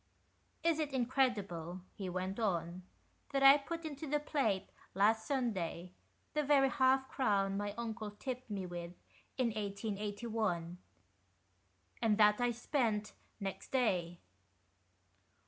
" Is it incredible," he went on, " that I put into the plate last Sunday the very half crown my uncle tipped me with in 1881, and that I spent next day